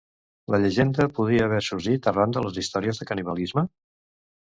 La llegenda podria haver sorgit arran de les històries de canibalisme?